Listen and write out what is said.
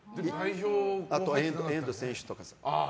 あとは遠藤選手とかさ。